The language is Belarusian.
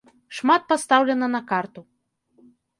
Шмат пастаўлена на карту.